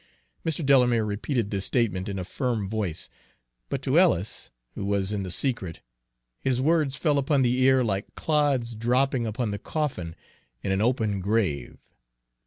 Mr. Delamere repeated this statement in a firm voice; but to Ellis, who was in the secret, his words fell upon the ear like clods dropping upon the coffin in an open grave.